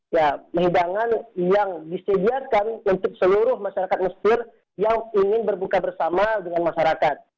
ya hidangan yang disediakan untuk seluruh masyarakat mesir yang ingin berbuka bersama dengan masyarakat